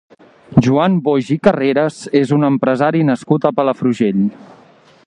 Joan Boix i Carreras és un empresari nascut a Palafrugell.